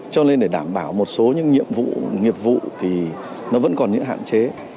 cho nên để đảm bảo một số những nhiệm vụ nghiệp vụ thì nó vẫn còn những hạn chế